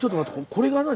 これが何？